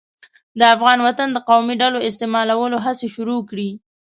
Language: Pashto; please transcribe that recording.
د افغان وطن د قومي ډلو استعمالولو هڅې شروع کړې.